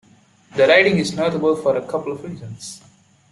The riding is notable for a couple of reasons.